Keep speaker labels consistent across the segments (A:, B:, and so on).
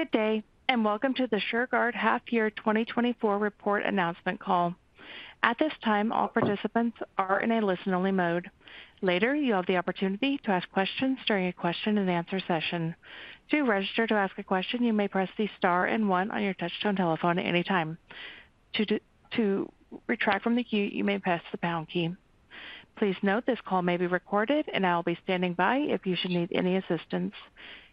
A: Good day, and welcome to the Shurgard Half Year 2024 Report Announcement Call. At this time, all participants are in a listen-only mode. Later, you'll have the opportunity to ask questions during a question-and-answer session. To register to ask a question, you may press the star and one on your touchtone telephone anytime. To retract from the queue, you may press the pound key. Please note, this call may be recorded, and I'll be standing by if you should need any assistance.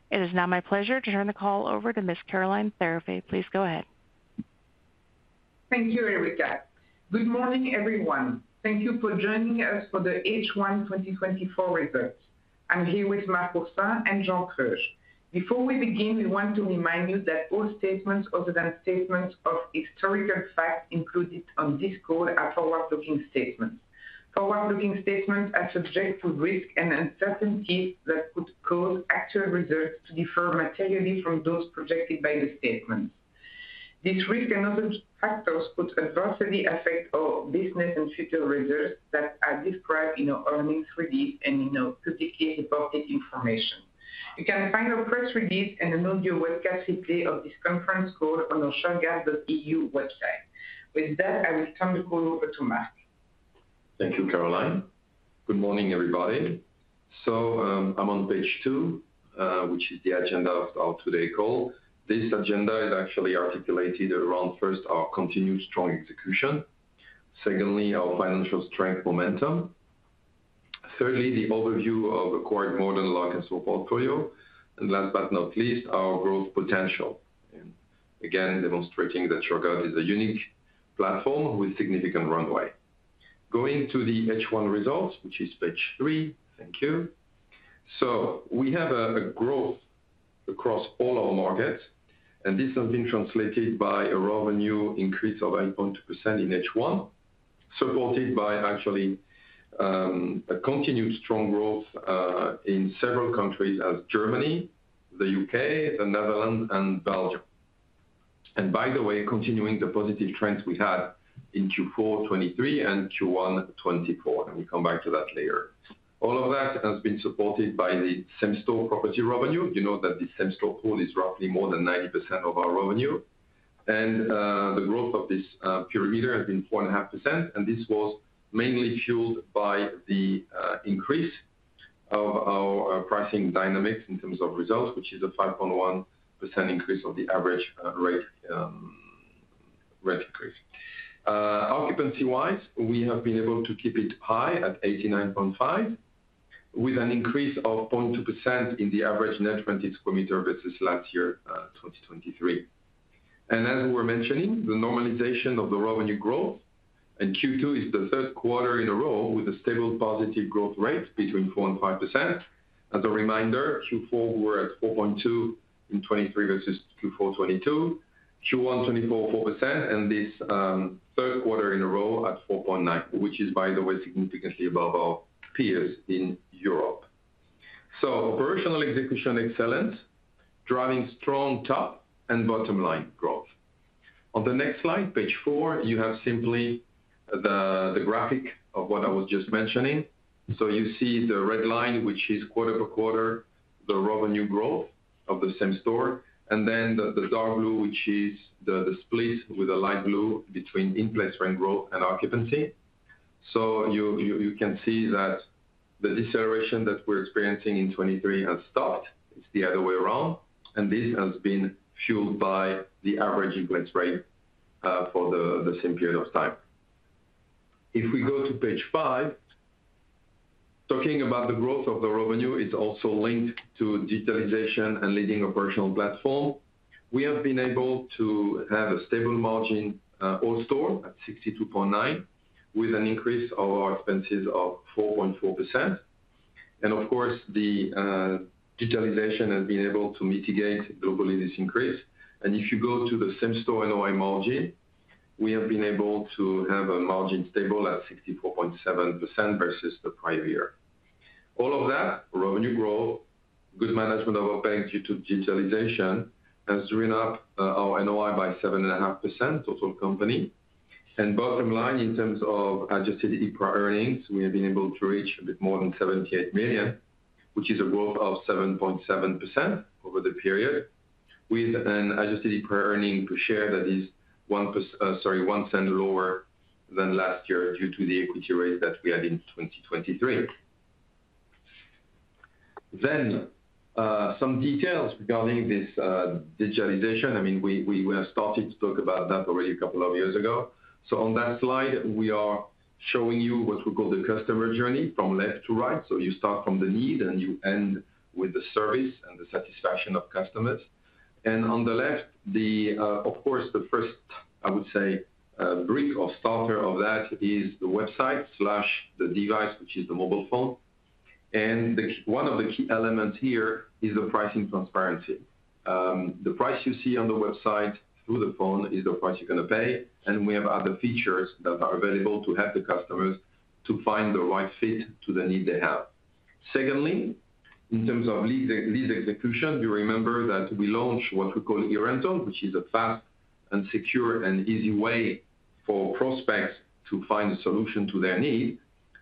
A: It is now my pleasure to turn the call over to Ms. Caroline Thirifay. Please go ahead.
B: Thank you, Erica. Good morning, everyone. Thank you for joining us for the H1 2024 results. I'm here with Marc Oursin and Jean Kreusch. Before we begin, we want to remind you that all statements other than statements of historical facts included on this call are forward-looking statements. Forward-looking statements are subject to risks and uncertainties that could cause actual results to differ materially from those projected by the statements. These risks and other factors could adversely affect our business and future results that are described in our earnings release and in our publicly reported information. You can find our press release and an audio webcast replay of this conference call on our shurgard.eu website. With that, I will turn the call over to Marc.
C: Thank you, Caroline. Good morning, everybody. So, I'm on page two, which is the agenda of our today call. This agenda is actually articulated around, first, our continued strong execution. Secondly, our financial strength momentum. Thirdly, the overview of acquired Lok'nStore portfolio. And last but not least, our growth potential. And again, demonstrating that Shurgard is a unique platform with significant runway. Going to the H1 results, which is page three. Thank you. So we have a growth across all our markets, and this has been translated by a revenue increase of 8.2% in H1, supported by actually, a continued strong growth, in several countries as Germany, the UK, the Netherlands, and Belgium. And by the way, continuing the positive trends we had in Q4 2023 and Q1 2024, and we come back to that later. All of that has been supported by the same-store property revenue. You know that the same-store pool is roughly more than 90% of our revenue. And, the growth of this perimeter has been 4.5%, and this was mainly fueled by the increase of our pricing dynamics in terms of results, which is a 5.1% increase of the average rate increase. Occupancy-wise, we have been able to keep it high at 89.5%, with an increase of 0.2% in the average net rent per square meter versus last year, 2023. And as we were mentioning, the normalization of the revenue growth, and Q2 is the third quarter in a row with a stable positive growth rate between 4% and 5%. As a reminder, Q4, we were at 4.2 in 2023 versus Q4 2022, Q1 2024, 4%, and this third quarter in a row at 4.9%, which is, by the way, significantly above our peers in Europe. So operational execution, excellent, driving strong top and bottom-line growth. On the next slide, page four, you have simply the graphic of what I was just mentioning. So you see the red line, which is quarter-over-quarter, the revenue growth of the same store, and then the dark blue, which is the split with a light blue between in-place rent growth and occupancy. So you can see that the deceleration that we're experiencing in 2023 has stopped. It's the other way around, and this has been fueled by the average in-place rate for the same period of time. If we go to page five, talking about the growth of the revenue is also linked to digitalization and leading operational platform. We have been able to have a stable margin, all-store at 62.9, with an increase of our expenses of 4.4%. And of course, the digitalization has been able to mitigate globally this increase. And if you go to the same-store NOI margin, we have been able to have a margin stable at 64.7% versus the prior year. All of that, revenue growth, good management of our OpEx due to digitalization, has driven up our NOI by 7.5% total company. Bottom line, in terms of Adjusted EPRA earnings, we have been able to reach a bit more than 78 million, which is a growth of 7.7% over the period, with an Adjusted EPRA earnings per share that is sorry, 0.01 lower than last year due to the equity raise that we had in 2023. Some details regarding this digitalization. I mean, we have started to talk about that already a couple of years ago. On that slide, we are showing you what we call the customer journey from left to right. You start from the need, and you end with the service and the satisfaction of customers. On the left, of course, the first, I would say, brick or starter of that is the website, the device, which is the mobile phone. One of the key elements here is the pricing transparency. The price you see on the website through the phone is the price you're gonna pay, and we have other features that are available to help the customers to find the right fit to the need they have. Secondly, in terms of lead execution, you remember that we launched what we call e-Rental, which is a fast and secure and easy way for prospects to find a solution to their need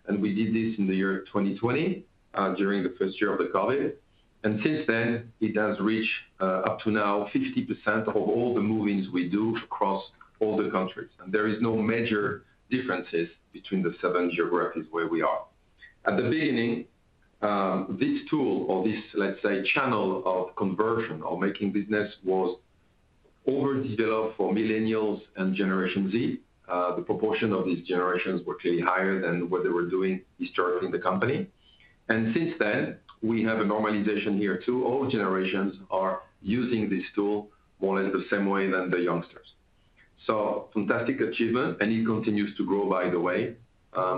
C: and we did this in the year 2020, during the first year of the COVID. And since then, it has reached, up to now 50% of all the move-ins we do across all the countries. And there is no major differences between the seven geographies where we are. At the beginning, this tool or this, let's say, channel of conversion or making business, was overdeveloped for millennials and Generation Z. The proportion of these generations were clearly higher than what they were doing historically in the company. And since then, we have a normalization here, too. All generations are using this tool more or less the same way than the youngsters. So fantastic achievement, and it continues to grow, by the way.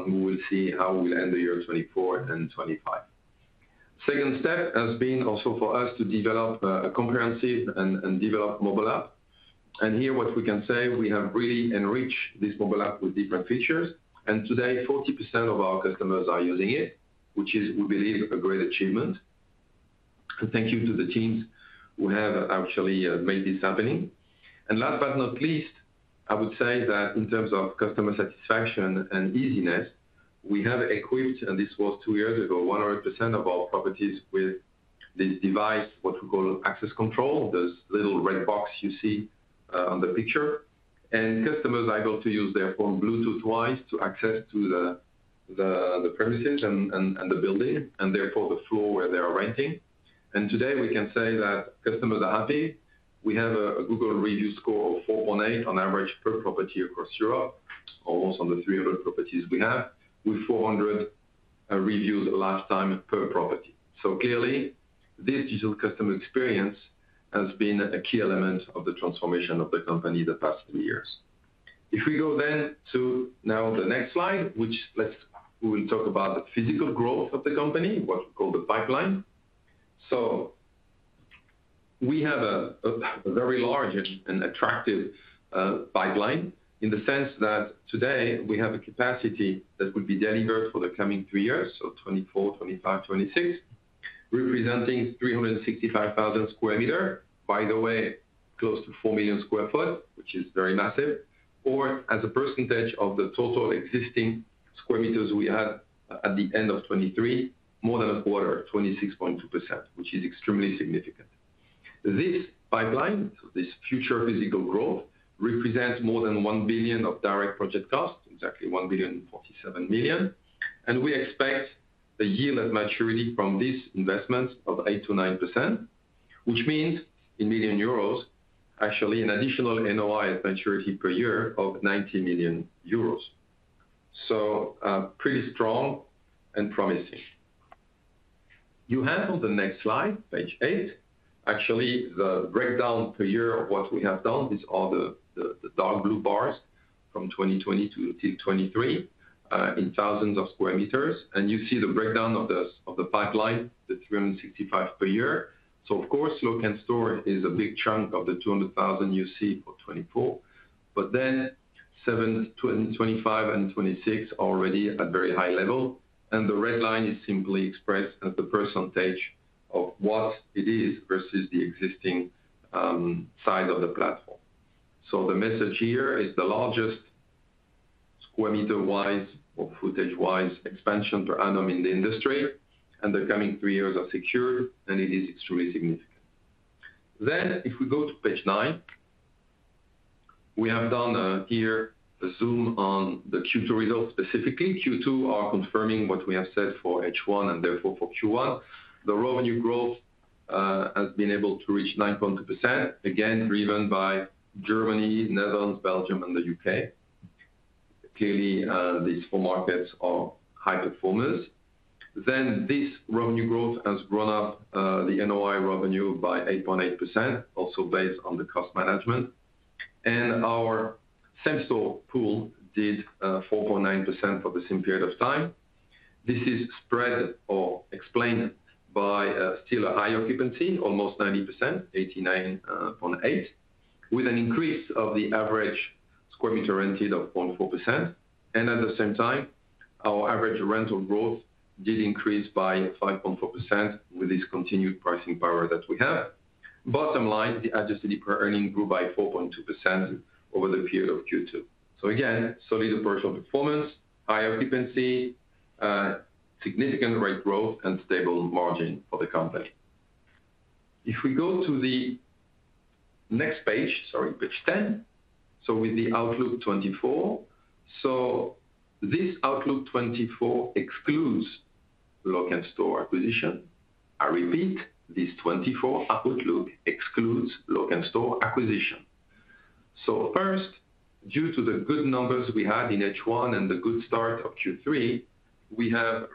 C: We will see how we'll end the year 2024 and 2025. Second step has been also for us to develop comprehensive and develop mobile app. And here, what we can say, we have really enriched this mobile app with different features, and today, 40% of our customers are using it, which is, we believe, a great achievement. Thank you to the teams who have actually made this happening. Last but not least, I would say that in terms of customer satisfaction and easiness, we have equipped, and this was two years ago, 100% of our properties with this device, what we call access control, this little red box you see on the picture. Customers are able to use their phone Bluetooth-wise to access the premises and the building, and therefore, the floor where they are renting. Today, we can say that customers are happy. We have a Google review score of 4.8 on average per property across Europe, almost on the 300 properties we have, with 400 reviews last time per property. So clearly, this digital customer experience has been a key element of the transformation of the company the past three years. If we go then to now the next slide, which, let's, we will talk about the physical growth of the company, what we call the pipeline. So we have a very large and attractive pipeline, in the sense that today we have a capacity that will be delivered for the coming three years, so 2024, 2025, 2026, representing 365,000 sq m. By the way, close to 4 million sq ft, which is very massive, or as a percentage of the total existing square meters we had at the end of 2023, more than a quarter, 26.2%, which is extremely significant. This pipeline, this future physical growth, represents more than 1 billion of direct project cost, exactly 1.047 billion. We expect a yield at maturity from this investment of 8%-9%, which means in million euros, actually an additional NOI at maturity per year of 90 million euros. So, pretty strong and promising. You have on the next slide, page eight, actually, the breakdown per year of what we have done. It's all the dark blue bars from 2020 to 2023 in thousands of square meters. And you see the breakdown of the pipeline, the 365 per year. So of course, Lok'nStore is a big chunk of the 200,000 you see for 2024. But then, 2025 and 2026 are already at very high level, and the red line is simply expressed as the percentage of what it is versus the existing size of the platform. So the message here is the largest square meter-wise or footage-wise expansion per annum in the industry, and the coming three years are secured, and it is extremely significant. Then, if we go to page nine, we have done here a zoom on the Q2 results. Specifically, Q2 are confirming what we have said for H1 and therefore for Q1. The revenue growth has been able to reach 9.2%, again, driven by Germany, Netherlands, Belgium, and the U.K. Clearly, these 4 markets are high performers. Then this revenue growth has grown up the NOI revenue by 8.8%, also based on the cost management. And our same-store pool did 4.9% for the same period of time. This is spread or explained by still a higher occupancy, almost 90%, 89.8%, with an increase of the average square meter rented of 0.4%. And at the same time, our average rental growth did increase by 5.4% with this continued pricing power that we have. Bottom line, the Adjusted EPRA earnings grew by 4.2% over the period of Q2. So again, solid operational performance, higher occupancy, significant rate growth, and stable margin for the company. If we go to the next page, sorry, page 10, so with the 2024 outlook. So this 2024 outlook excludes Lok'nStore acquisition. I repeat, this 2024 outlook excludes Lok'nStore acquisition. So first, due to the good numbers we had in H1 and the good start of Q3, we have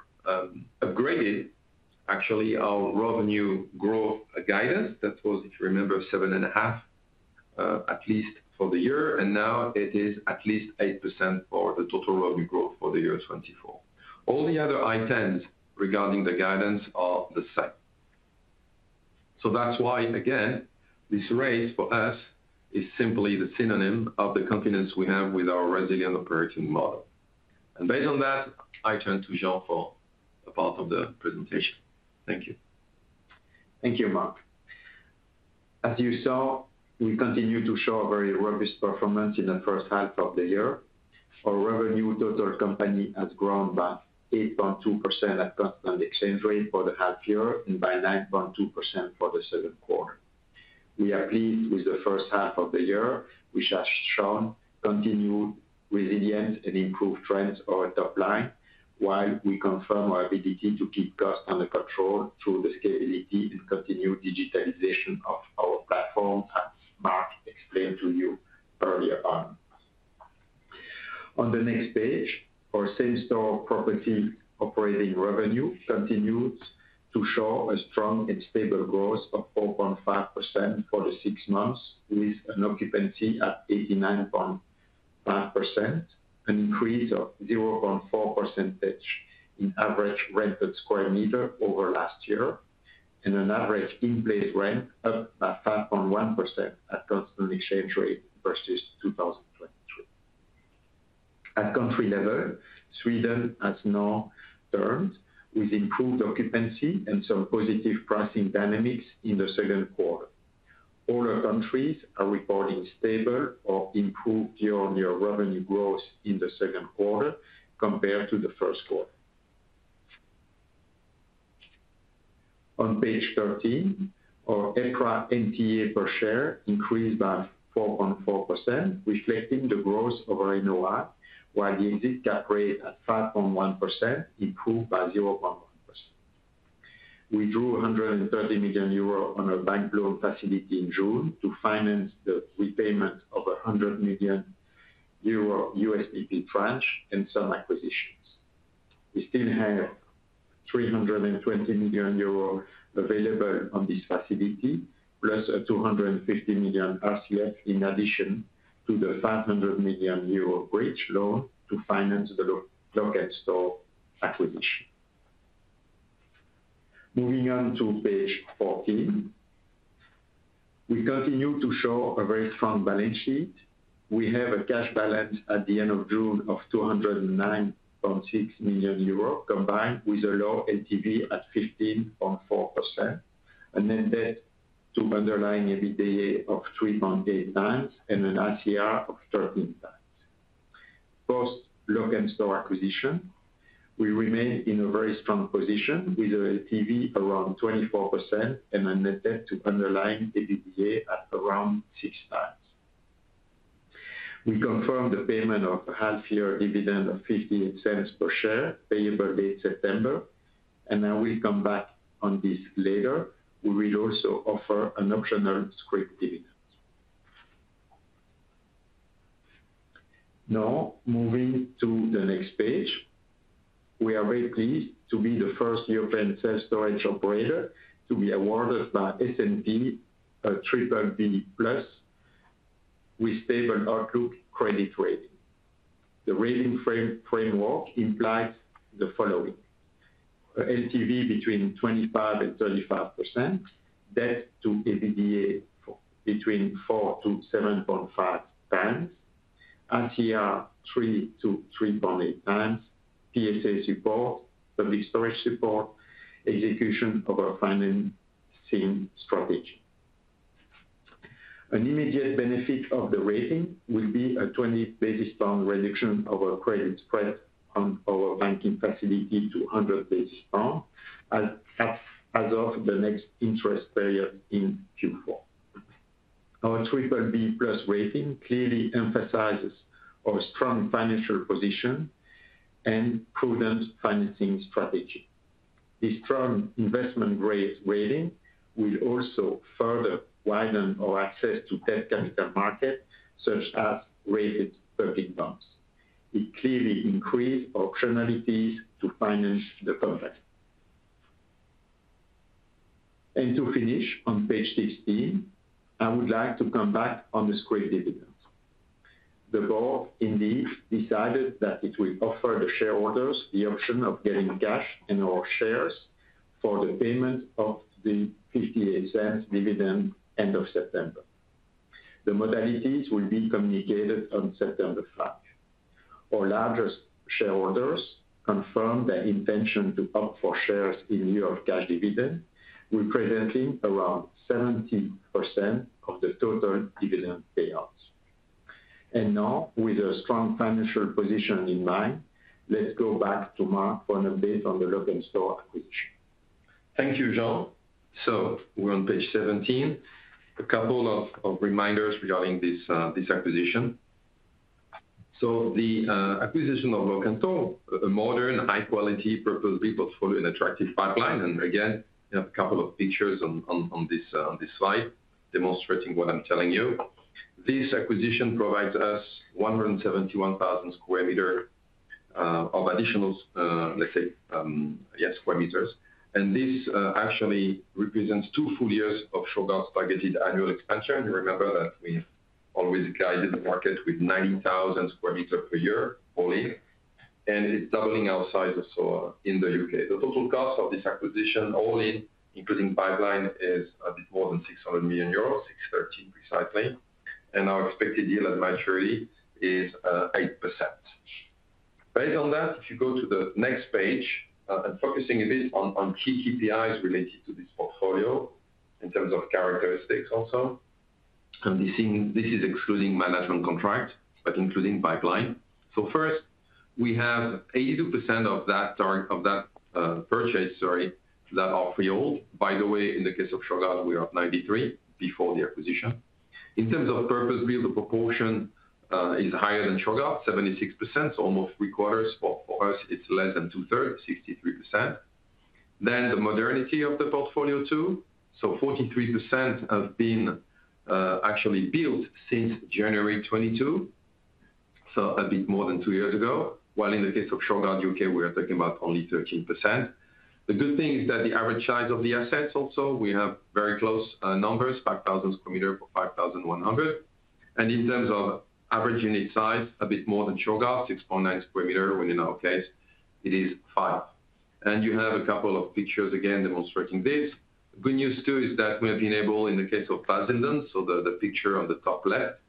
C: upgraded actually our revenue growth guidance. That was, if you remember, 7.5%, at least for the year, and now it is at least 8% for the total revenue growth for the year 2024. All the other items regarding the guidance are the same. So that's why, again, this rate for us is simply the synonym of the confidence we have with our resilient operating model. And based on that, I turn to Jean for a part of the presentation. Thank you.
D: Thank you, Marc. As you saw, we continue to show a very robust performance in the first half of the year. Our revenue total company has grown by 8.2% at constant exchange rate for the half year, and by 9.2% for the second quarter. We are pleased with the first half of the year, which has shown continued resilience and improved trends on our top line, while we confirm our ability to keep costs under control through the scalability and continued digitalization of our platform, as Marc explained to you earlier on. On the next page, our same-store property operating revenue continues to show a strong and stable growth of 4.5% for the six months, with an occupancy at 89.5%, an increase of 0.4 percentage in average rented square meter over last year, and an average in-place rent up by 5.1% at constant exchange rate versus 2023. At country level, Sweden has now turned with improved occupancy and some positive pricing dynamics in the second quarter. All our countries are reporting stable or improved year-on-year revenue growth in the second quarter compared to the first quarter. On page 13, our EPRA NTA per share increased by 4.4%, reflecting the growth of our NOI, while the interest cap rate at 5.1% improved by 0.1%. We drew 130 million euro on our bank loan facility in June to finance the repayment of 100 million euro USPP tranche and some acquisitions. We still have 320 million euros available on this facility, plus a 250 million RCF, in addition to the 500 million euro bridge loan to finance the Lok'nStore acquisition. Moving on to page 14. We continue to show a very strong balance sheet. We have a cash balance at the end of June of 209.6 million euros, combined with a low LTV at 15.4%, a net debt to underlying EBITDA of 3.8x, and an ICR of 13x. Post Lok'nStore acquisition, we remain in a very strong position with a LTV around 24% and a net debt to underlying EBITDA at around 6x. We confirm the payment of half year dividend of 0.15 per share, payable date September, and I will come back on this later. We will also offer an optional scrip dividend. Now, moving to the next page. We are very pleased to be the first European self-storage operator to be awarded by S&P a BBB+ with stable outlook credit rating. The rating framework implies the following: LTV between 25%-35%, debt to EBITDA between 4-7.5x, ICR 3-3.8x, PSA support, Public Storage support, execution of our financing strategy. An immediate benefit of the rating will be a 20 basis point reduction of our credit spread on our banking facility to 100 basis points, as of the next interest period in Q4. Our BBB+ rating clearly emphasizes our strong financial position and prudent financing strategy. This strong investment grade rating will also further widen our access to debt capital market, such as rated public bonds. It clearly increase optionalities to finance the project. To finish, on page 16, I would like to come back on the scrip dividend. The board indeed decided that it will offer the shareholders the option of getting cash and/or shares for the payment of the 0.58 dividend end of September. The modalities will be communicated on 5 September. Our largest shareholders confirmed their intention to opt for shares in lieu of cash dividend, representing around 70% of the total dividend payouts. Now, with a strong financial position in mind, let's go back to Marc for an update on the Lok'nStore acquisition.
C: Thank you, Jean. So we're on page 17. A couple of reminders regarding this acquisition. So the acquisition of Lok'nStore, a modern, high quality purpose-built portfolio and attractive pipeline. And again, you have a couple of pictures on this slide demonstrating what I'm telling you. This acquisition provides us 171,000 sq m of additional, let's say, yes, square meters. And this actually represents two full years of Shurgard's targeted annual expansion. You remember that we always guided the market with 90,000 sq m per year only, and it's doubling our size of store in the U.K. The total cost of this acquisition only, including pipeline, is a bit more than 600 million euros, 613 precisely. And our expected yield advisory is 8%. Based on that, if you go to the next page, and focusing a bit on key KPIs related to this portfolio in terms of characteristics also. You see this is excluding management contract, but including pipeline. So first, we have 82% of that target of that purchase, sorry, that are freehold. By the way, in the case of Shurgard, we are at 93% before the acquisition. In terms of purpose-built, the proportion is higher than Shurgard, 76%, so almost three quarters, but for us it's less than two-thirds, 63%. Then the modernity of the portfolio too, so 43% have been actually built since January 2022, so a bit more than two years ago, while in the case of Shurgard UK, we are talking about only 13%. The good thing is that the average size of the assets also, we have very close numbers, 5,000 square meters for 5,100. And in terms of average unit size, a bit more than Shurgard, 6.9 square meters, when in our case it is five. And you have a couple of pictures, again, demonstrating this. Good news, too, is that we have been able, in the case of Basildon, so the picture on the top left,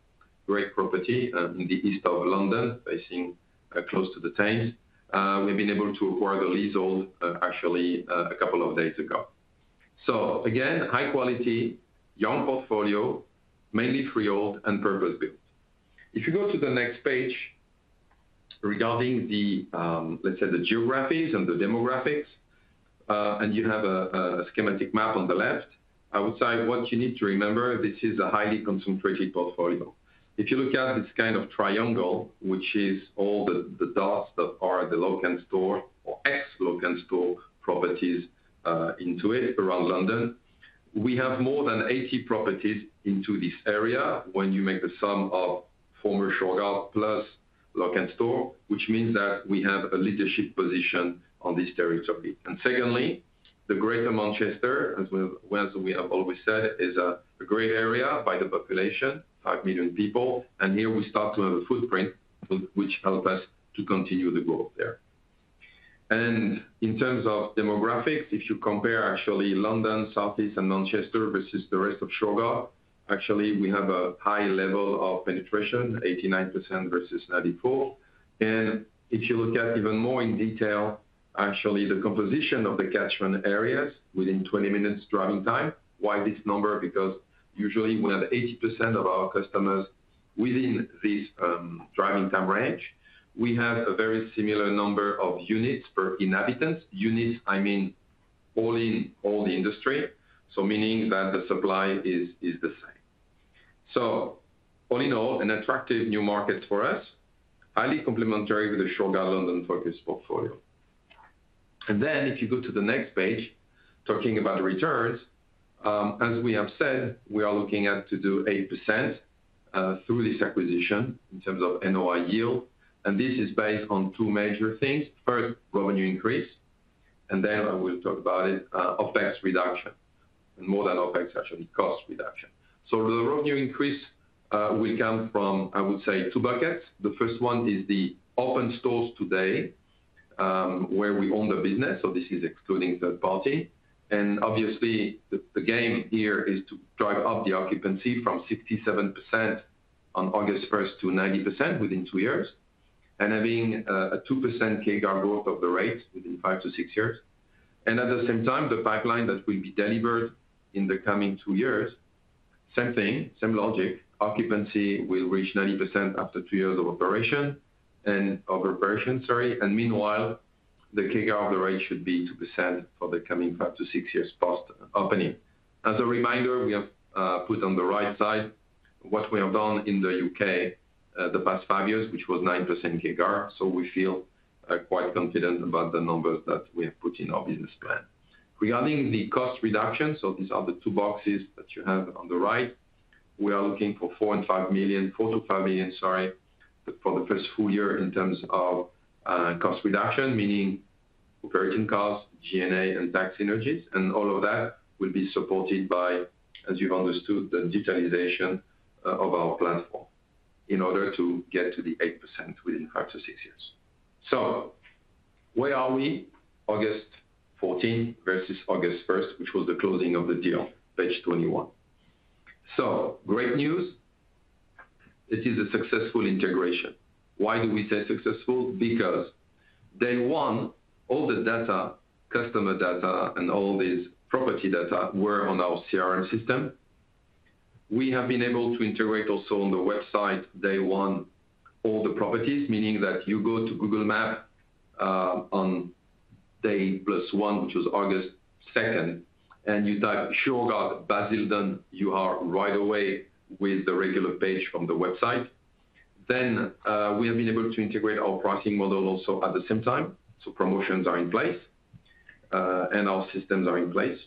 C: great property in the East of London, facing close to the Thames. We've been able to acquire the leasehold, actually, a couple of days ago. So again, high quality, young portfolio, mainly freehold and purpose-built. If you go to the next page regarding the, let's say, the geographies and the demographics, and you have a schematic map on the left. I would say what you need to remember, this is a highly concentrated portfolio. If you look at this kind of triangle, which is all the dots that are the Lok'nStore or ex-Lok'nStore properties, into it around London, we have more than 80 properties into this area when you make the sum of former Shurgard plus Lok'nStore, which means that we have a leadership position on this territory. And secondly, the Greater Manchester, well, as we have always said, is a great area by the population, 5 million people, and here we start to have a footprint which help us to continue the growth there. In terms of demographics, if you compare actually London, Southeast, and Manchester versus the rest of Shurgard, actually, we have a high level of penetration, 89% versus 94%. And if you look at even more in detail, actually, the composition of the catchment areas within 20 minutes driving time. Why this number? Because usually we have 80% of our customers within this driving time range. We have a very similar number of units per inhabitants. Units, I mean, all in, all the industry, so meaning that the supply is the same. So all in all, an attractive new market for us, highly complementary with the Shurgard London-focused portfolio. And then if you go to the next page, talking about the returns, as we have said, we are looking at to do 8%, through this acquisition in terms of NOI yield, and this is based on two major things. First, revenue increase, and then I will talk about it, OpEx reduction, and more than OpEx, actually, cost reduction. So the revenue increase, will come from, I would say, two buckets. The first one is the open stores today, where we own the business, so this is excluding third party. And obviously, the game here is to drive up the occupancy from 67% on August first to 90% within two years, and having a 2% CAGR growth of the rate within five to six years. At the same time, the pipeline that will be delivered in the coming two years, same thing, same logic, occupancy will reach 90% after two years of operation and—of conversion, sorry. Meanwhile, the CAGR rate should be 2% for the coming 5-6 years post opening. As a reminder, we have put on the right side what we have done in the U.K., the past 5 years, which was 9% CAGR, so we feel quite confident about the numbers that we have put in our business plan. Regarding the cost reduction, these are the two boxes that you have on the right. We are looking for 4-5 million, sorry, for the first full year in terms of cost reduction, meaning operating costs, G&A, and tax synergies, and all of that will be supported by, as you've understood, the digitalization of our platform in order to get to the 8% within 5-6 years. So where are we? August 14 versus August 1, which was the closing of the deal, page 21. So great news, this is a successful integration. Why do we say successful? Because day one, all the data, customer data, and all these property data were on our CRM system. We have been able to integrate also on the website, day one, all the properties, meaning that you go to Google Maps on day plus one, which was August second, and you type Shurgard Basildon, you are right away with the regular page from the website. Then we have been able to integrate our pricing model also at the same time, so promotions are in place and our systems are in place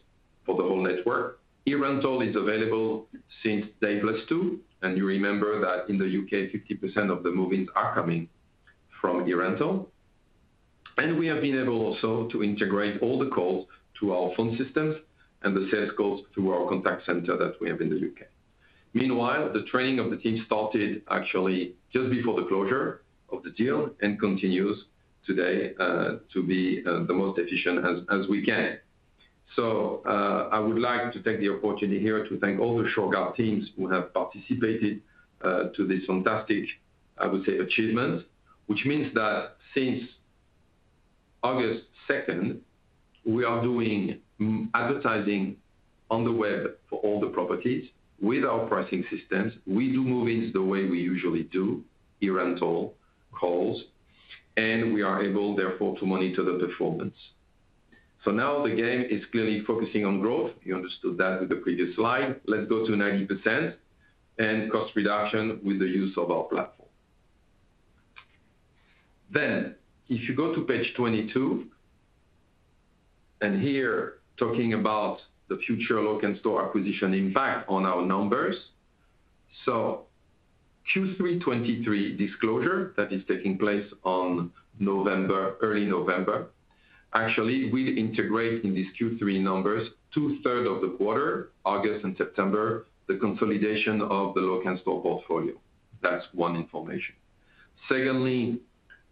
C: for the whole network. e-Rental is available since day plus two, and you remember that in the U.K., 50% of the move-ins are coming from e-Rental. And we have been able also to integrate all the calls to our phone systems and the sales calls to our contact center that we have in the U.K.. Meanwhile, the training of the team started actually just before the closure of the deal, and continues today to be the most efficient as we can. So, I would like to take the opportunity here to thank all the Shurgard teams who have participated to this fantastic, I would say, achievement. Which means that since 2nd August, we are doing advertising on the web for all the properties with our pricing systems. We do move-ins the way we usually do, e-rental, calls, and we are able therefore, to monitor the performance. So now the game is clearly focusing on growth. You understood that with the previous slide. Let's go to 90% and cost reduction with the use of our platform. Then, if you go to page 22, and here talking about the future Lok'nStore acquisition impact on our numbers. So Q3 2023 disclosure that is taking place on November, early November. Actually, we integrate in these Q3 numbers, two-thirds of the quarter, August and September, the consolidation of the Lok'nStore portfolio. That's one information. Secondly,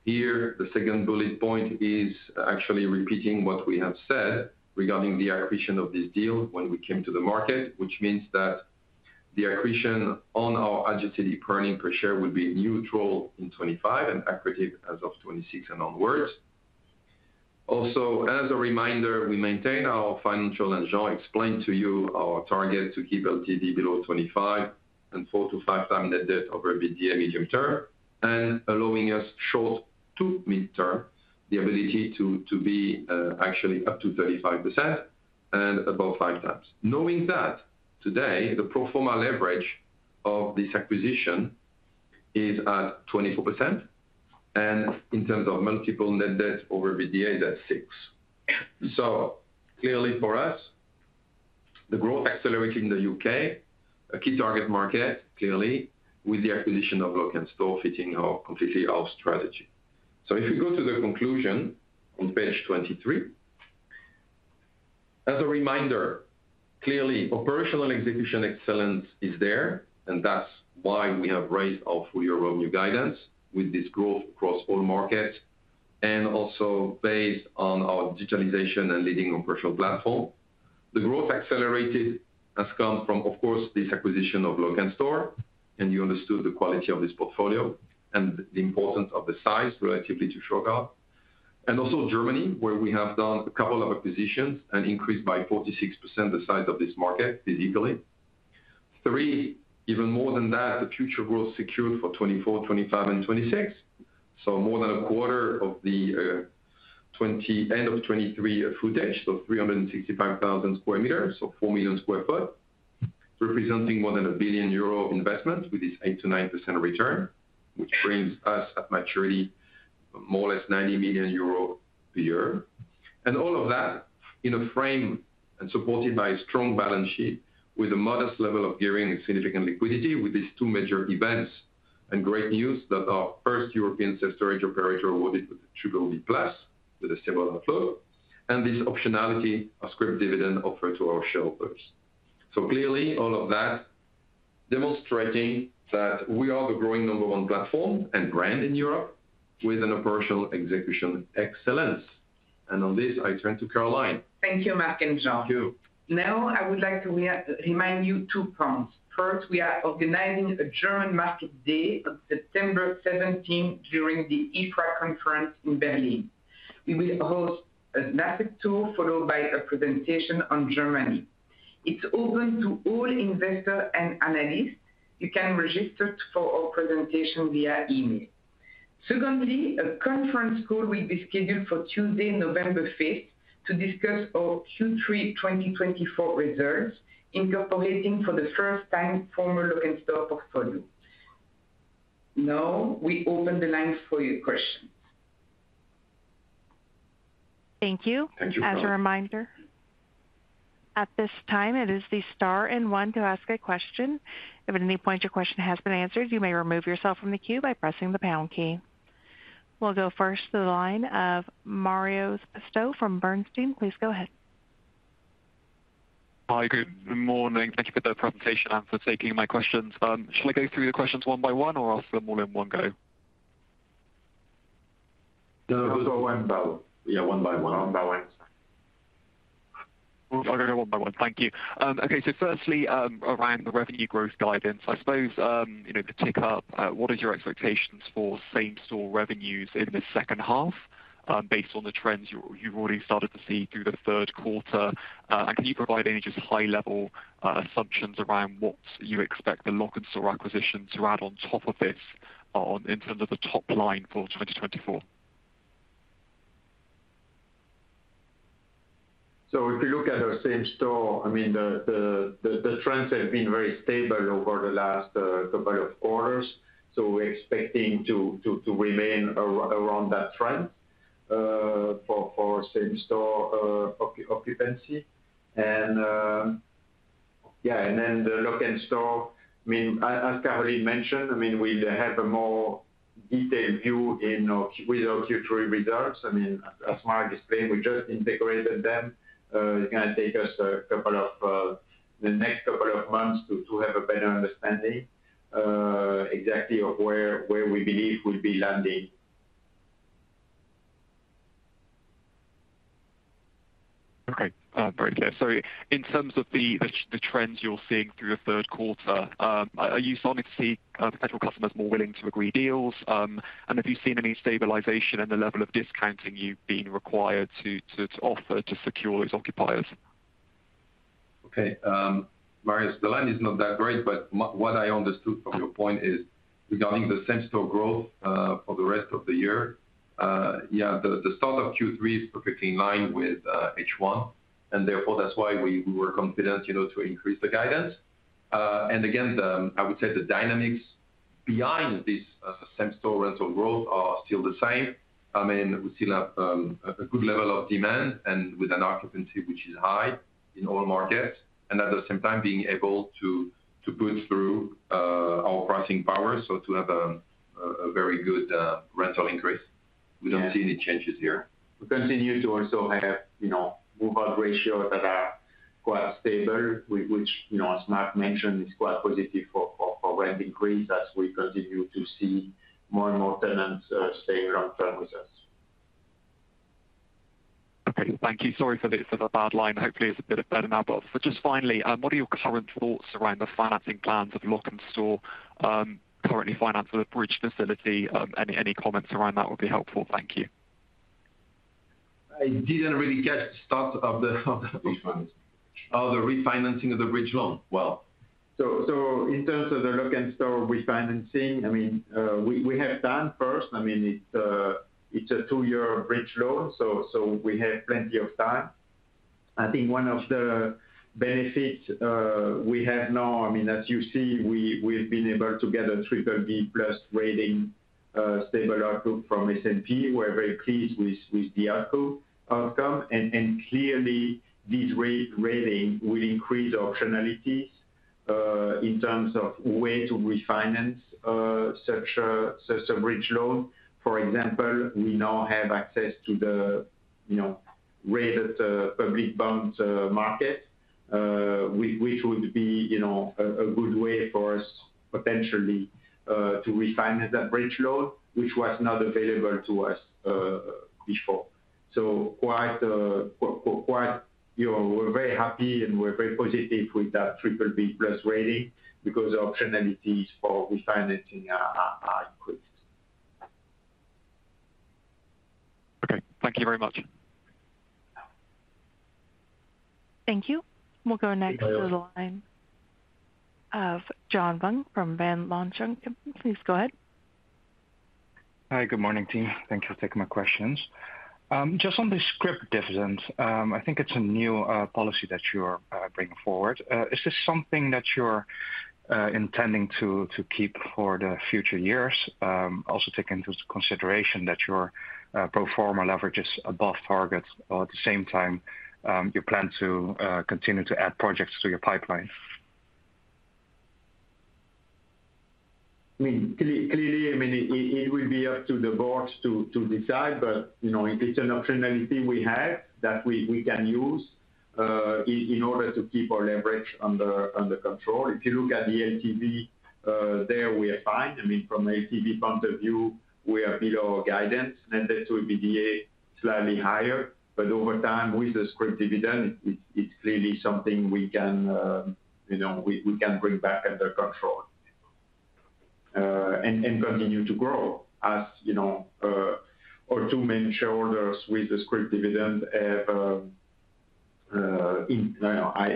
C: here, the second bullet point is actually repeating what we have said regarding the accretion of this deal when we came to the market, which means that the accretion on our adjusted earnings per share will be neutral in 2025 and accretive as of 2026 and onwards. Also, as a reminder, we maintain our financial, and Jean explained to you our target to keep LTV below 25%, and 4-5 times net debt over EBITDA medium term, and allowing us short- to medium-term, the ability to be actually up to 35% and above 5x. Knowing that today, the pro forma leverage of this acquisition is at 24%, and in terms of multiple net debt over EBITDA, that's 6x. So clearly for us, the growth accelerating in the U.K., a key target market, clearly, with the acquisition of Lok'nStore fitting our, completely our strategy. So if you go to the conclusion on page 23. As a reminder, clearly, operational execution excellence is there, and that's why we have raised our full year revenue guidance with this growth across all markets, and also based on our digitalization and leading operational platform. The growth accelerated has come from, of course, this acquisition of Lok'nStore, and you understood the quality of this portfolio and the importance of the size relatively to Shurgard. And also Germany, where we have done a couple of acquisitions and increased by 46% the size of this market physically. Three, even more than that, the future growth secured for 2024, 2025 and 2026. So more than a quarter of the twenty end of 2023 footage, so 365,000 square meters, so 4 million sq ft, representing more than 1 billion euro of investment with this 8%-9% return, which brings us at maturity, more or less 90 million euro per year. And all of that in a frame and supported by a strong balance sheet with a modest level of gearing and significant liquidity with these two major events. And great news that our first European self-storage operator awarded with BBB+ with a stable outlook, and this optionality of scrip dividend offered to our shareholders. So clearly, all of that demonstrating that we are the growing number one platform and brand in Europe with an operational execution excellence. On this, I turn to Caroline.
B: Thank you, Marc and Jean.
C: Thank you.
B: Now, I would like to remind you two points. First, we are organizing a German market day on September 17, during the EPRA conference in Berlin. We will host an asset tour, followed by a presentation on Germany. It's open to all investor and analysts. You can register for our presentation via email. Secondly, a conference call will be scheduled for Tuesday, 5 November, to discuss our Q3 2024 results, incorporating for the first time former Lok'nStore portfolio. Now, we open the lines for your questions.
A: Thank you.
C: Thank you.
A: As a reminder, at this time, it is star one to ask a question. If at any point your question has been answered, you may remove yourself from the queue by pressing the pound key. We'll go first to the line of Marius Preel from Bernstein. Please go ahead.
E: Hi, good morning. Thank you for the presentation and for taking my questions. Shall I go through the questions one by one or ask them all in one go?
C: Go one by one.
D: Yeah, one by one.
C: One by one.
E: I'll go one by one. Thank you. Okay, so firstly, around the revenue growth guidance, I suppose, you know, the tick up, what is your expectations for same store revenues in the second half, based on the trends you, you've already started to see through the third quarter? And can you provide any just high-level assumptions around what you expect the Lok'nStore acquisition to add on top of this, on in terms of the top line for 2024?
C: So if you look at our same store, I mean, the trends have been very stable over the last couple of quarters, so we're expecting to remain around that trend for same-store occupancy. And yeah, and then the Lok'nStore, I mean, as Caroline mentioned, I mean, we have a more detailed view with our Q3 results. I mean, as Marc explained, we just integrated them. It's gonna take us the next couple of months to have a better understanding exactly of where we believe we'll be landing.
E: Okay, very clear. So in terms of the trends you're seeing through the third quarter, are you starting to see potential customers more willing to agree deals? And have you seen any stabilization in the level of discounting you've been required to offer to secure those occupiers?
D: Okay. Marius, the line is not that great, but what I understood from your point is regarding the same-store growth for the rest of the year. Yeah, the start of Q3 is perfectly in line with H1, and therefore, that's why we were confident, you know, to increase the guidance. And again, the dynamics behind this same-store rental growth are still the same. I mean, we still have a good level of demand and with an occupancy, which is high in all markets, and at the same time being able to push through our pricing power, so to have a very good rental increase.
E: Yeah.
D: We don't see any changes here. We continue to also have, you know, move-out ratios that are quite stable, with which, you know, as Marc mentioned, is quite positive for rent increase as we continue to see more and more tenants staying around term with us.
E: Okay. Thank you. Sorry for the bad line. Hopefully, it's a bit better now. But just finally, what are your current thoughts around the financing plans of Lok'nStore, currently financed with a bridge facility? Any comments around that would be helpful. Thank you.
D: I didn't really get the start of the-
C: Refinance.
D: Oh, the refinancing of the bridge loan. Well, so in terms of the Lok'nStore refinancing, I mean, we have time first. I mean, it's a two-year bridge loan, so we have plenty of time. I think one of the benefits we have now, I mean, as you see, we've been able to get a triple B plus rating, stable outlook from S&P. We're very pleased with the outcome. And clearly, this rating will increase optionalities in terms of where to refinance such a bridge loan. For example, we now have access to the, you know, rated public bonds market, which would be, you know, a good way for us potentially to refinance that bridge loan, which was not available to us before. So quite. You know, we're very happy, and we're very positive with that BBB+ rating because the optionalities for refinancing are increased.
E: Okay. Thank you very much.
A: Thank you. We'll go next to the line-
D: Thank you.
A: John Vuong from Van Lanschot Kempen. Please go ahead.
F: Hi, good morning, team. Thank you for taking my questions. Just on the scrip dividend, I think it's a new policy that you're bringing forward. Is this something that you're intending to keep for the future years? Also take into consideration that your pro forma leverage is above target, while at the same time, you plan to continue to add projects to your pipeline.
D: I mean, clearly, I mean, it will be up to the board to decide, but, you know, it is an optionality we have, that we can use, in order to keep our leverage under control. If you look at the LTV, there we are fine. I mean, from an ICR point of view, we are below our guidance, and this will be slightly higher, but over time, with the scrip dividend, it's clearly something we can, you know, we can bring back under control, and continue to grow. As you know, our two main shareholders with the scrip dividend, I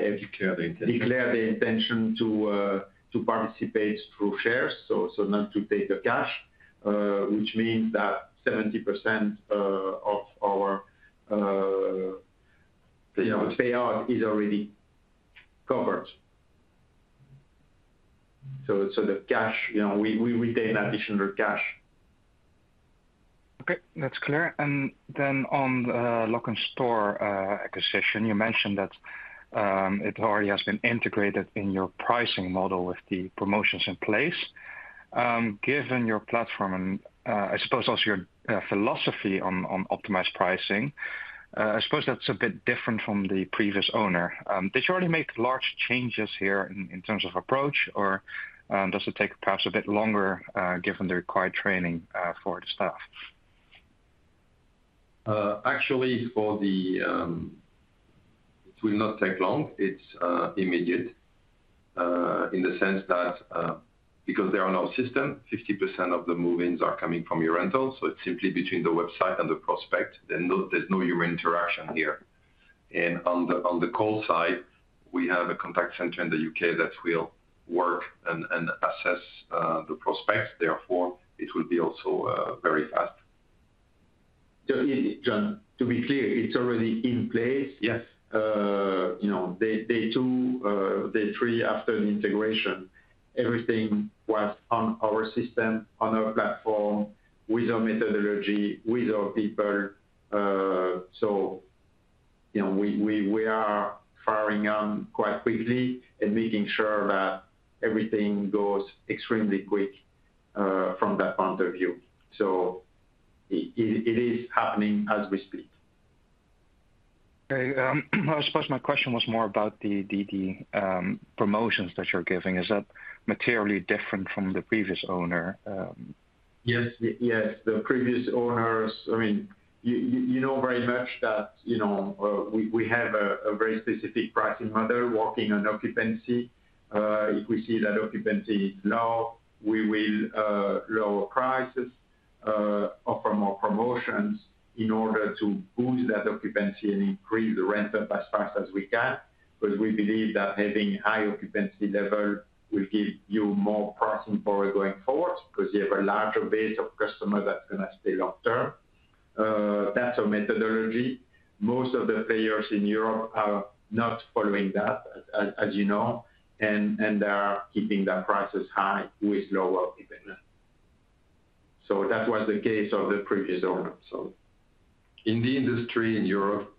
D: declare the intention to participate through shares, so not to take the cash, which means that 70% of our, you know, payout is already covered. So the cash, you know, we retain additional cash.
F: Okay, that's clear. Then on the Lok'nStore acquisition, you mentioned that it already has been integrated in your pricing model with the promotions in place. Given your platform and I suppose also your philosophy on optimized pricing, I suppose that's a bit different from the previous owner. Did you already make large changes here in terms of approach, or does it take perhaps a bit longer given the required training for the staff?
C: Actually, it will not take long. It's immediate, in the sense that, because they are on our system, 50% of the move-ins are coming from e-Rental, so it's simply between the website and the prospect. There's no, there's no human interaction here. And on the call side, we have a contact center in the U.K. that will work and assess the prospects. Therefore, it will be also very fast.
D: So John, to be clear, it's already in place.
C: Yes.
D: You know, day two, day three after the integration, everything was on our system, on our platform, with our methodology, with our people. So, you know, we are firing on quite quickly and making sure that everything goes extremely quick, from that point of view. So it is happening as we speak.
F: Okay, I suppose my question was more about the promotions that you're giving. Is that materially different from the previous owner?
D: Yes, yes, the previous owners, I mean, you know very much that, you know, we have a very specific pricing model working on occupancy. If we see that occupancy is low, we will lower prices, offer more promotions in order to boost that occupancy and increase the rent up as fast as we can. Because we believe that having high occupancy level will give you more pricing power going forward, because you have a larger base of customers that's gonna stay long term. That's our methodology. Most of the players in Europe are not following that, as you know, and are keeping their prices high with lower occupancy. So that was the case of the previous owner. So
C: In the industry, in Europe,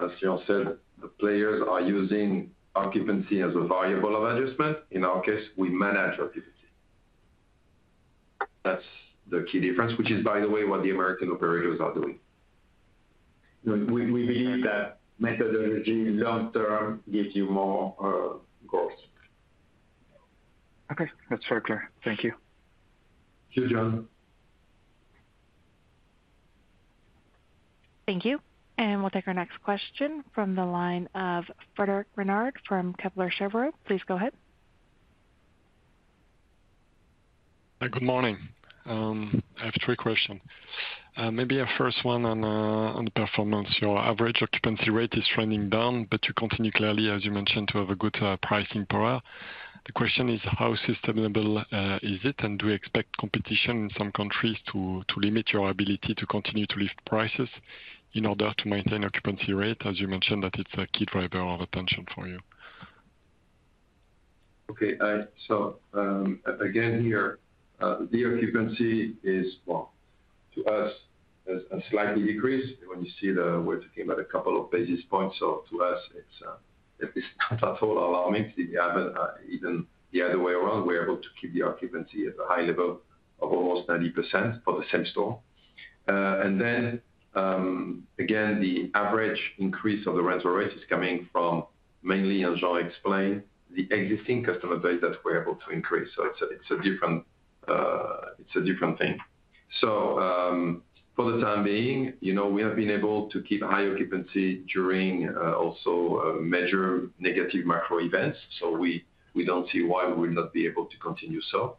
C: as Jean said, the players are using occupancy as a variable of adjustment. In our case, we manage occupancy. That's the key difference, which is, by the way, what the American operators are doing. We believe that methodology long term gives you more growth.
F: Okay, that's very clear. Thank you.
D: Thank you, John.
A: Thank you. We'll take our next question from the line of Frédéric Renard from Kepler Cheuvreux. Please go ahead.
G: Good morning. I have three questions. Maybe a first one on the performance. Your average occupancy rate is trending down, but you continue clearly, as you mentioned, to have a good pricing power. The question is: How sustainable is it, and do you expect competition in some countries to limit your ability to continue to lift prices in order to maintain occupancy rate, as you mentioned, that it's a key driver of attention for you?
C: Okay, so, again, here, the occupancy is, well, to us, has a slightly decreased. When you see the, we're talking about a couple of basis points, so to us, it's not at all alarming. The other, even the other way around, we're able to keep the occupancy at a high level of almost 90% for the same store. And then, again, the average increase of the rental rate is coming from mainly, as Jean explained, the existing customer base that we're able to increase. So it's a, it's a different, it's a different thing. So, for the time being, you know, we have been able to keep high occupancy during also major negative macro events, so we don't see why we will not be able to continue so.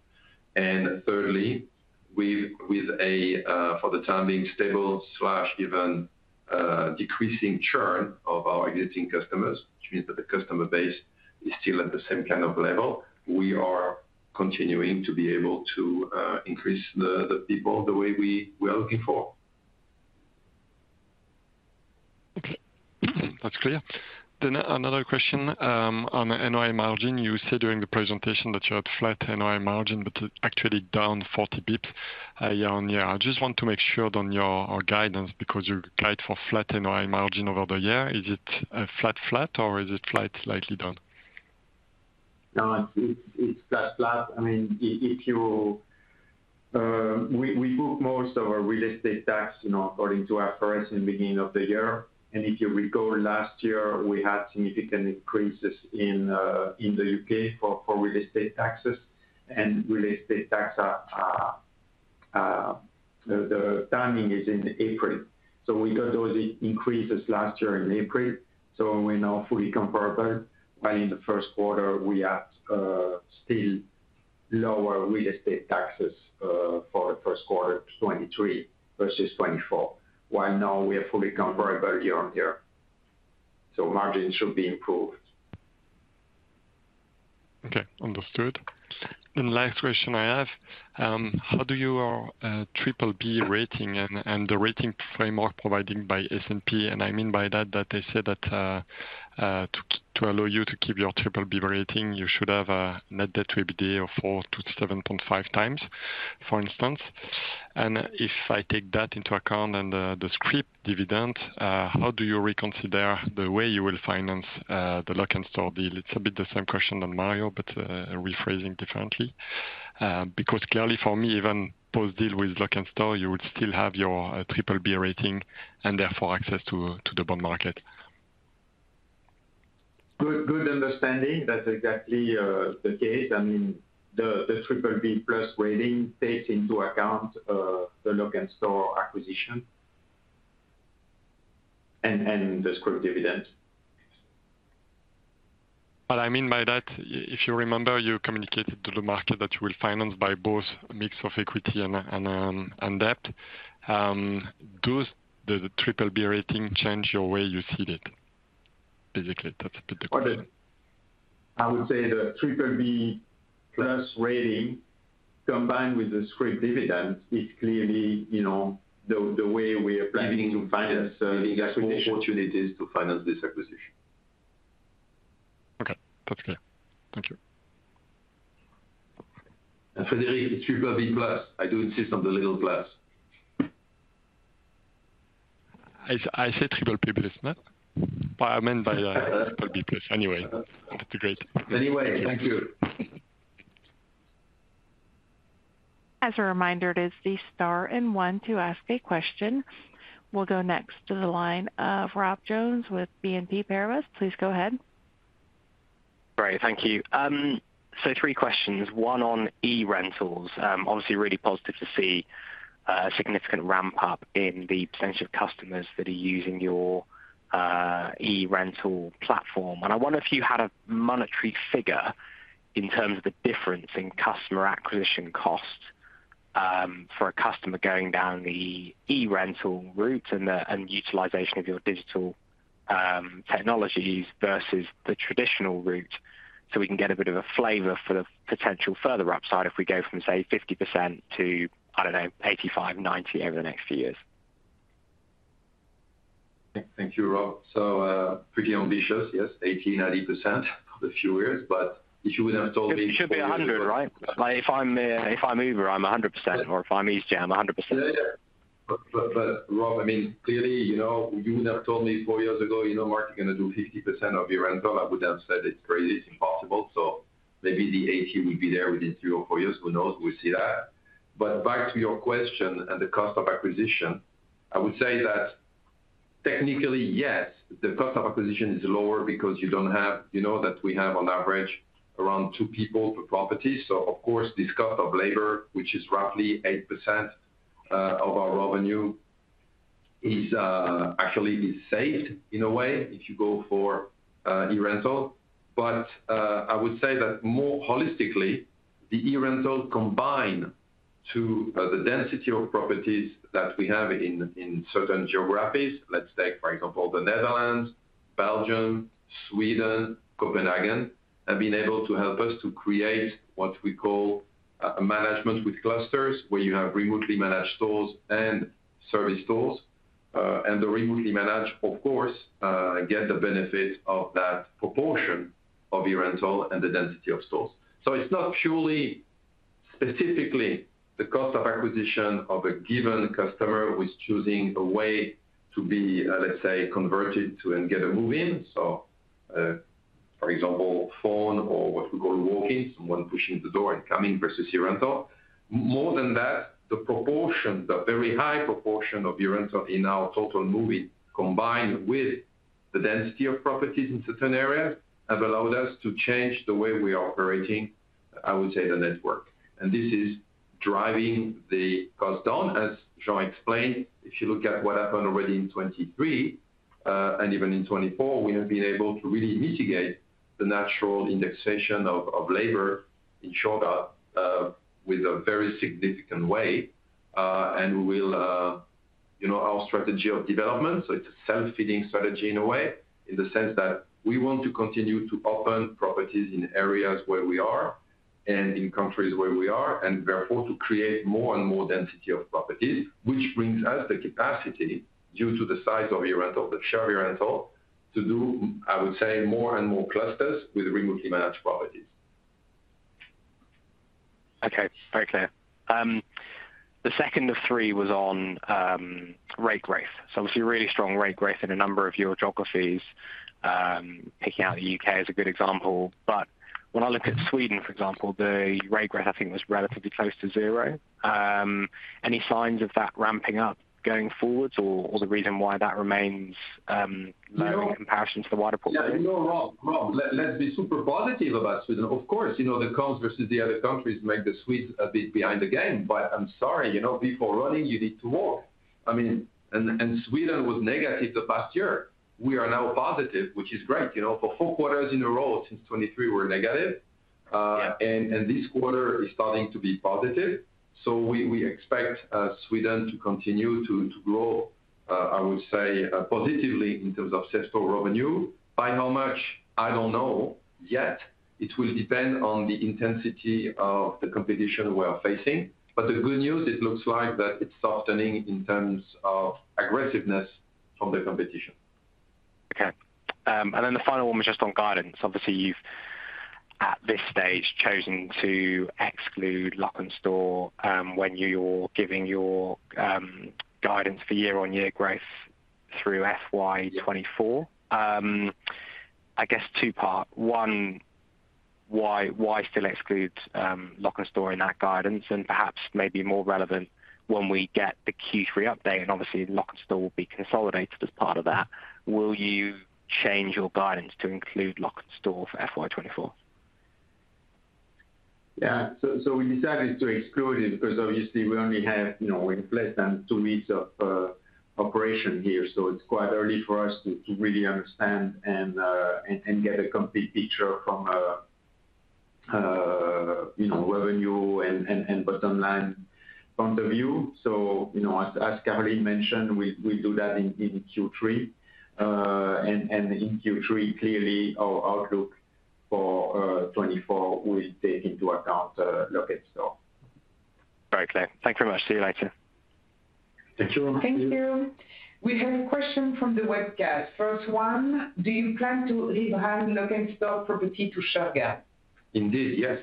C: And thirdly, with a, for the time being, stable slash even decreasing churn of our existing customers, which means that the customer base is still at the same kind of level, we are continuing to be able to increase the people the way we were looking for.
G: Okay. That's clear. Then another question on the NOI margin. You said during the presentation that you had flat NOI margin, but actually down 40 basis points year-on-year. I just want to make sure on your guidance, because you guide for flat NOI margin over the year. Is it flat, flat, or is it flat, slightly down?
D: No, it's, it's flat, flat. I mean, if you... We book most of our real estate tax, you know, according to our forecast in the beginning of the year. And if you recall, last year, we had significant increases in the U.K. for real estate taxes. And real estate taxes are, the timing is in April. So we got those increases last year in April, so we're now fully comparable. But in the first quarter, we had still lower real estate taxes for first quarter 2023 versus 2024, while now we are fully comparable year-on-year, so margins should be improved.
G: Okay, understood. Then last question I have: how do your triple B rating and the rating framework provided by S&P, and I mean by that, that they said that to allow you to keep your triple B rating, you should have a net debt to EBITDA of 4-7.5x, for instance. And if I take that into account and the scrip dividend, how do you reconsider the way you will finance the Lok'nStore deal? It's a bit the same question on Marius, but rephrasing differently. Because clearly for me, even post-deal with Lok'nStore, you would still have your triple B rating and therefore access to the bond market.
D: Good, good understanding. That's exactly the case. I mean, the triple B plus rating takes into account the Lok'nStore acquisition and the scrip dividend.
G: What I mean by that, if you remember, you communicated to the market that you will finance by both a mix of equity and debt. Does the triple B rating change your way you see it, basically, that's the-
D: I would say the BBB+ rating, combined with the scrip dividend, is clearly, you know, the way we are planning to finance this acquisition.
C: Opportunities to finance this acquisition.
G: Okay, that's clear. Thank you.
D: Frédéric, it's BBB+. I do insist on the little plus.
G: I said triple B plus, no? I meant triple B plus. Anyway, that's great.
D: Anyway, thank you. As a reminder, press star one to ask a question. We'll go next to the line of Rob Jones with BNP Paribas. Please go ahead.
H: Great, thank you. So three questions. One on e-Rentals. Obviously, really positive to see a significant ramp up in the potential customers that are using your e-Rental platform. And I wonder if you had a monetary figure in terms of the difference in customer acquisition cost for a customer going down the e-Rental route and the utilization of your digital technologies versus the traditional route, so we can get a bit of a flavor for the potential further upside if we go from, say, 50% to, I don't know, 85%-90% over the next few years.
C: Thank you, Rob. So, pretty ambitious, yes, 80%, 90% a few years, but if you would have told me-
H: It should be 100, right? Like, if I'm, if I'm Uber, I'm 100%, or if I'm Eats, yeah, I'm 100%.
C: Yeah, yeah. But, but, but, Rob, I mean, clearly, you know, you would have told me four years ago, you know, Marc, you're gonna do 50% of e-Rental, I would have said it's crazy, it's impossible. So maybe the 80% will be there within three or four years, who knows? We'll see that. But back to your question and the cost of acquisition, I would say that technically, yes, the cost of acquisition is lower because you don't have.. You know that we have on average, around two people per property. So of course, this cost of labor, which is roughly 8% of our revenue, is actually saved in a way, if you go for e-Rental. But I would say that more holistically, the e-Rental combine to the density of properties that we have in certain geographies. Let's take, for example, the Netherlands, Belgium, Sweden, Copenhagen, have been able to help us to create what we call a management with clusters, where you have remotely managed stores and service stores. And the remotely managed, of course, get the benefit of that proportion of e-Rental and the density of stores. So it's not purely specifically the cost of acquisition of a given customer who is choosing a way to be, let's say, converted to and get a move-in. So, for example, phone or what we call walk-in, someone pushing the door and coming versus e-Rental. More than that, the proportion, the very high proportion of e-Rental in our total move-in, combined with the density of properties in certain areas, have allowed us to change the way we are operating, I would say, the network. This is driving the cost down, as John explained, if you look at what happened already in 2023, and even in 2024, we have been able to really mitigate the natural indexation of, of labor in short, with a very significant way. And we will, you know, our strategy of development, so it's a self-feeding strategy in a way, in the sense that we want to continue to open properties in areas where we are and in countries where we are, and therefore, to create more and more density of properties, which brings us the capacity, due to the size of e-Rental, the share e-Rental, to do, I would say, more and more clusters with remotely managed properties.
H: Okay, very clear. The second of three was on rate growth. So obviously, really strong rate growth in a number of your geographies, picking out the U.K. as a good example. But when I look at Sweden, for example, the rate growth, I think, was relatively close to zero. Any signs of that ramping up going forwards or, or the reason why that remains, comparison to the wider portfolio?
C: Yeah, no, Rob, Rob, let's be super positive about Sweden. Of course, you know, the cons versus the other countries make the Swedes a bit behind the game, but I'm sorry, you know, before running, you need to walk. I mean, and Sweden was negative the past year. We are now positive, which is great, you know, for four quarters in a row since 2023, we're negative.
H: Yeah.
C: And this quarter is starting to be positive. So we expect Sweden to continue to grow, I would say, positively in terms of successful revenue. By how much? I don't know yet. It will depend on the intensity of the competition we are facing. But the good news, it looks like that it's softening in terms of aggressiveness from the competition.
H: Okay. And then the final one was just on guidance. Obviously, you've, at this stage, chosen to exclude Lok'nStore, when you're giving your, guidance for year-on-year growth through FY 2024. I guess two part. One, why, why still exclude, Lok'nStore in that guidance? And perhaps maybe more relevant when we get the Q3 update, and obviously, Lok'nStore will be consolidated as part of that. Will you change your guidance to include Lok'nStore for FY 2024?
D: Yeah. So we decided to exclude it because obviously we only have, you know, less than two weeks of operation here, so it's quite early for us to really understand and get a complete picture from a, you know, revenue and bottom line point of view. So, you know, as Caroline mentioned, we do that in Q3. And in Q3, clearly, our outlook for 2024 will take into account Lok'nStore.
H: Very clear. Thank you very much. See you later.
D: Thank you. Thank you. We have a question from the webcast. First one, do you plan to leave behind Lok'nStore property to Shurgard?
C: Indeed, yes.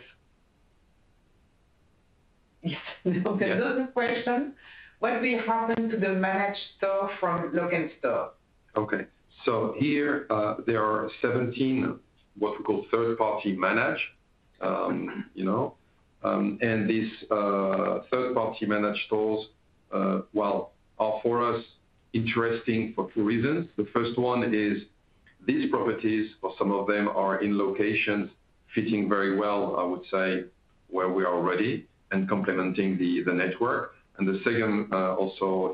B: Yes. Okay, another question. What will happen to the managed store from Lok'nStore?
C: Okay. So here, there are 17 what we call third-party managed stores, you know, and these third-party managed stores, well, are for us interesting for two reasons. The first one is these properties or some of them are in locations fitting very well, I would say, where we are already and complementing the network. And the second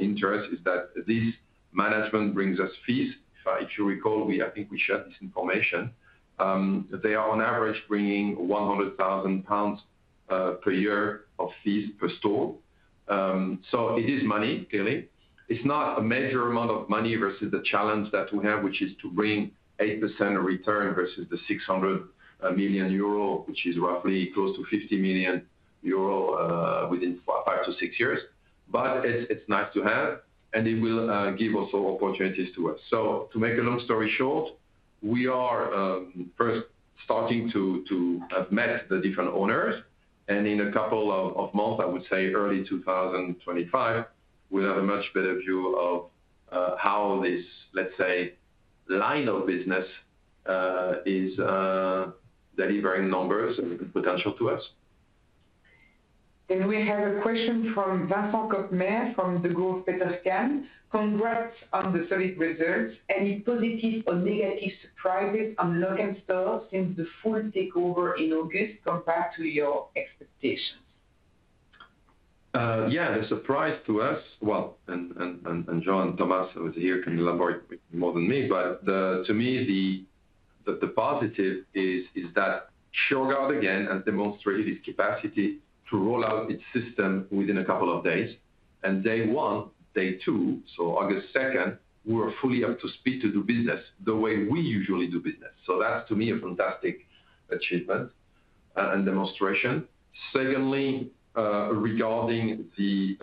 C: interest is that this management brings us fees. If you recall, I think we shared this information. They are on average bringing 100,000 pounds per year of fees per store. So it is money, clearly. It's not a major amount of money versus the challenge that we have, which is to bring 8% of return versus the 600 million euro, which is roughly close to 50 million euro within 5-6 years. But it's nice to have, and it will give also opportunities to us. So to make a long story short, we are first starting to have met the different owners, and in a couple of months, I would say early 2025, we'll have a much better view of how this, let's say, line of business is delivering numbers and potential to us.
B: We have a question from Vincent Jamaer from Degroof Petercam. Congrats on the solid results. Any positive or negative surprises on Lok'nStore since the full takeover in August compared to your expectations?
C: Yeah, the surprise to us, well, and John Thomas, who is here, can elaborate more than me, but to me, the positive is that Shurgard, again, has demonstrated its capacity to roll out its system within a couple of days. And day one, day two, so August second, we were fully up to speed to do business the way we usually do business. So that's, to me, a fantastic achievement and demonstration. Secondly, regarding the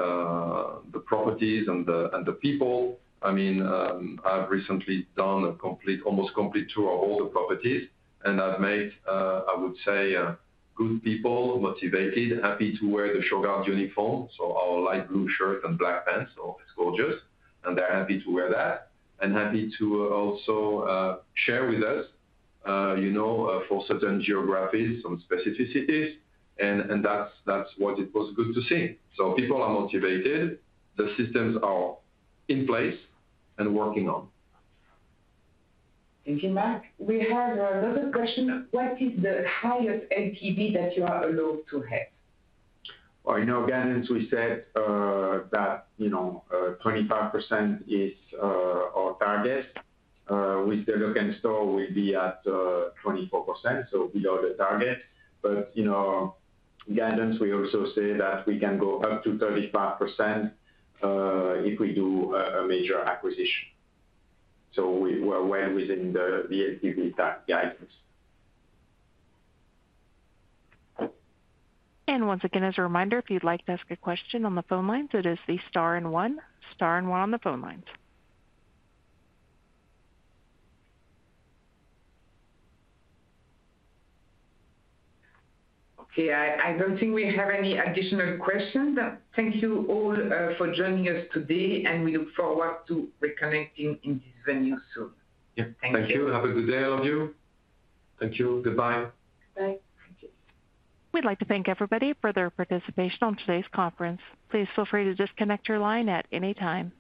C: properties and the people, I mean, I've recently done a complete, almost complete tour of all the properties, and I've met, I would say, good people, motivated, happy to wear the Shurgard uniform, so our light blue shirt and black pants, so it's gorgeous, and they're happy to wear that, and happy to also, share with us, you know, for certain geographies, some specificities, and that's what it was good to see. So people are motivated, the systems are in place and working on.
B: Thank you, Marc. We have another question: What is the highest LTV that you are allowed to have?
C: Well, in our guidance, we said that, you know, 25% is our target. With the Lok'nStore, we'll be at 24%, so below the target. But, you know, guidance, we also say that we can go up to 35% if we do a major acquisition. So we're well within the LTV guidelines.
A: And once again, as a reminder, if you'd like to ask a question on the phone lines, it is the star and one, star and one on the phone lines.
B: Okay, I don't think we have any additional questions. Thank you all for joining us today, and we look forward to reconnecting in this venue soon.
C: Yeah.
B: Thank you.
C: Thank you. Have a good day, all of you. Thank you. Goodbye.
B: Bye. Thank you.
A: We'd like to thank everybody for their participation on today's conference. Please feel free to disconnect your line at any time.